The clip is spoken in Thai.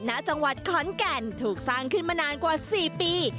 ณจังหวัดขอนแก่นถูกสร้างขึ้นมานานกว่า๔ปี